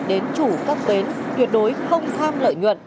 đến chủ các tuyến tuyệt đối không tham lợi nhuận